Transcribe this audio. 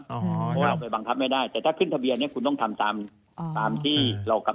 เพราะว่าเคยบังคับไม่ได้แต่ถ้าขึ้นทะเบียนเนี่ยคุณต้องทำตามที่เรากำ